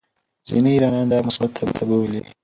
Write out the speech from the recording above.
ځینې ایرانیان دا مثبت بولي.